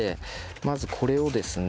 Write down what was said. まずこれをですね